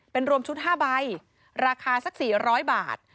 เป็นรวมชุด๕ใบราคาสัก๔๐๐บาท